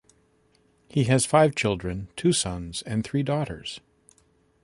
He has five children, two sons and three daughters.